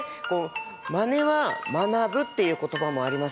「まねは学ぶ」っていう言葉もありますし。